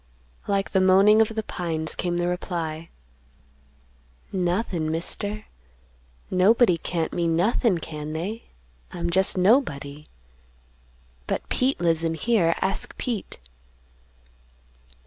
Like the moaning of the pines came the reply, "Nothin', Mister, nobody can't mean nothin', can they? I'm jest nobody. But Pete lives in here; ask Pete."